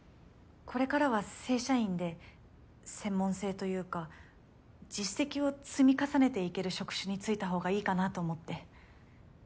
これからは正社員で専門性というか実績を積み重ねていける職種に就いたほうがいいかなと思って。